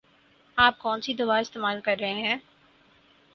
آپ کون سی دوا استعمال کر رہے ہیں؟